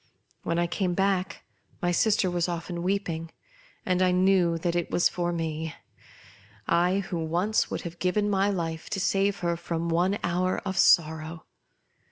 When I came back my' sister was often weeping, and I knew that it was for me — I, who once would have given my life to save her from one hour of sorrow.